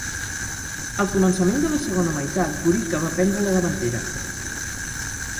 Al començament de la segona meitat, Gorica va prendre la davantera.